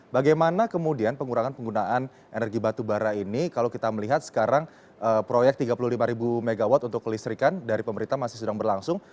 bagaimana kemudian pengurangan penggunaan energi batu bara ini kalau kita melihat sekarang proyek tiga puluh lima mw untuk kelistrikan dari pemerintah masih sedang berlangsung